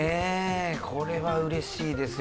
これはうれしいですよ。